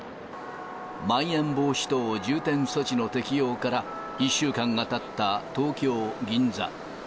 まん延防止等重点措置の適用から１週間がたった東京・銀座。